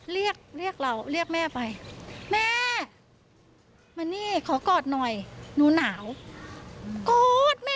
เรียกเรียกเราเรียกแม่ไปแม่มานี่ขอกอดหน่อยหนูหนาวกอดแม่